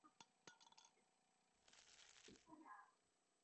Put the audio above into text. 官至漕运总督。